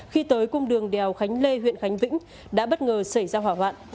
khi tới cung đường đèo khánh lê huyện khánh vĩnh đã bất ngờ xảy ra hỏa hoạn